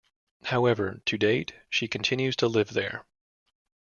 However, to date she continues to live there.